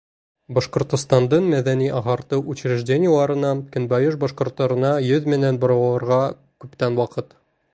Башҡортостандың мәҙәни-ағартыу учреждениеларына көнбайыш башҡорттарына йөҙ менән боролорға күптән ваҡыт.